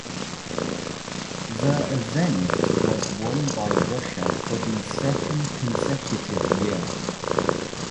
The event was won by Russia for the second consecutive year.